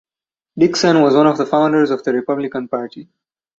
Dickson was one of the founders of the Republican Party.